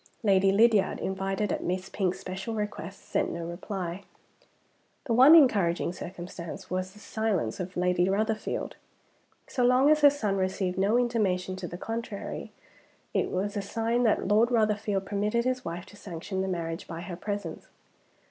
Lady Lydiard, invited at Miss Pink's special request, sent no reply. The one encouraging circumstance was the silence of Lady Rotherfield. So long as her son received no intimation to the contrary, it was a sign that Lord Rotherfield permitted his wife to sanction the marriage by her presence.